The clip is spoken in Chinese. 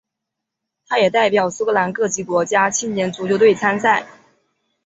他也代表苏格兰各级国家青年足球队参赛。